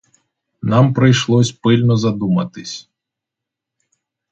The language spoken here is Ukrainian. Нам прийшлось пильно задуматись.